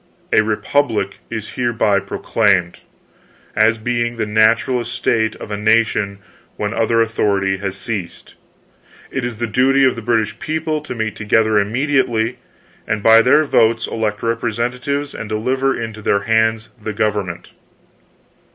A Republic is hereby proclaimed, as being the natural estate of a nation when other authority has ceased. It is the duty of the British people to meet together immediately, and by their votes elect representatives and deliver into their hands the government."